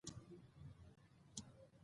د جګړې په ډګر کې تېښته سوې.